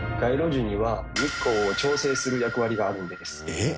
えっ？